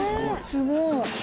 すごい！